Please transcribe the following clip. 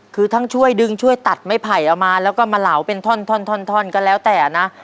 คือทั้งช่วยดึงช่วยตัดไม้ไผ่เอามาแล้วก็มาเหลาเป็นท่อนก็แล้วแต่นะ